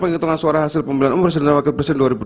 penghitungan suara hasil pm dan wp dua ribu dua puluh empat